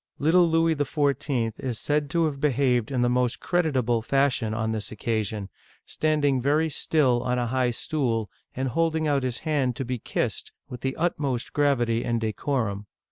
Little Louis XIV. is said to have behaved in the most creditable fashion on this occasion, standing very still on a high stool, and holding out his hand to be kissed, with the utmost gravity and decorum.